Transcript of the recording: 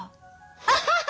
アハハハ！